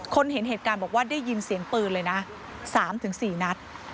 คนเห็นเหตุการณ์บอกว่าได้ยินเสียงปืนเลยนะสามถึงสี่นัด